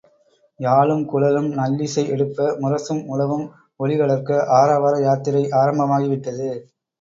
யாழுங் குழலும் நல்லிசை எடுப்ப, முரசும் முழவும் ஒலி வளர்க்க ஆரவார யாத்திரை ஆரம்பமாகிவிட்டது.